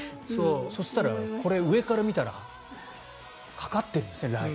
そしたら上から見たらかかっているんですね、ライン。